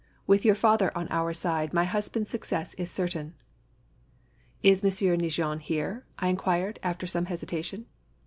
With your father on our side, my husband's success is certain." " Is Monsieur Neigeon here ?" I inquired, after some hesitation.